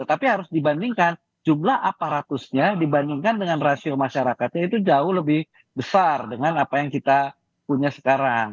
tapi harus dibandingkan jumlah aparatusnya dibandingkan dengan rasio masyarakatnya itu jauh lebih besar dengan apa yang kita punya sekarang